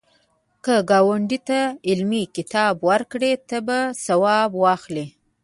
که ګاونډي ته علمي کتاب ورکړې، ته به ثواب واخلی